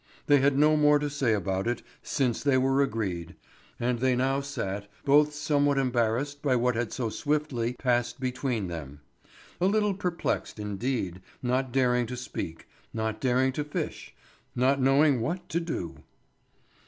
They had no more to say about it since they were agreed, and they now sat, both somewhat embarrassed by what had so swiftly passed between them; a little perplexed, indeed, not daring to speak, not daring to fish, not knowing what to do.